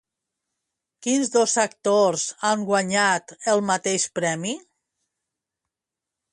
Quins dos actors han guanyat el mateix premi?